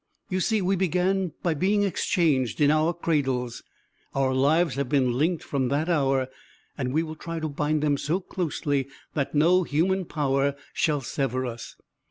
You see, we began by being exchanged in our cradles; our lives have been linked from that hour, and we will try to bind them so closely that no human power shall sever us.